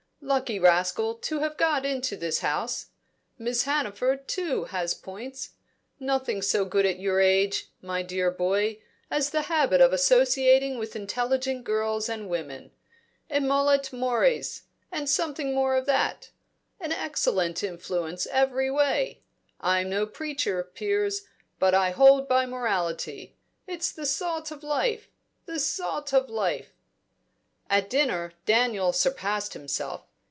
Lucky rascal, to have got into this house. Miss Hannaford, too, has points. Nothing so good at your age, my dear boy, as the habit of associating with intelligent girls and women. Emollit mores, and something more than that. An excellent influence every way. I'm no preacher, Piers, but I hold by morality; it's the salt of life the salt of life!" At dinner, Daniel surpassed himself.